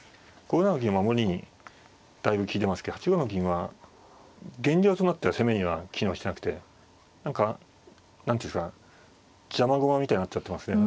５七銀は守りにだいぶ利いてますけど８五の銀は現状となっては攻めには機能してなくて何か何ていうんですか邪魔駒みたいになっちゃってますね。